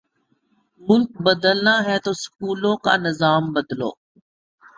ملک بدلنا ہے تو سکولوں کا نظام بدلو۔